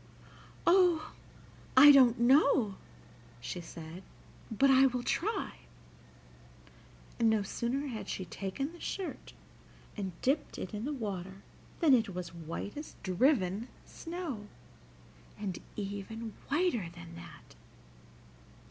"Oh! I don't know," she said; "but I will try." And no sooner had she taken the shirt and dipped it in the water than it was white as driven snow, and even whiter than that.